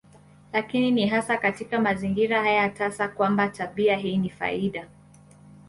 Lakini ni hasa katika mazingira haya tasa kwamba tabia hii ni faida.